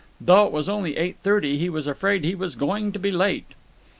Though it was only eight thirty, he was afraid he was going to be late.